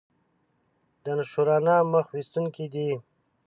دانشورانه مخ ویستونکی دی.